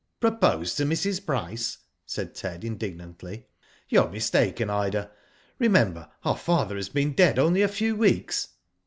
*'" Proposed to Mrs. Bryce," said Ted, in dignantly; you are mistaken, Ida. Remember, our father has been dead only a few weeks.'